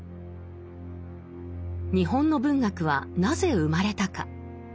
日本の文学はなぜ生まれたか？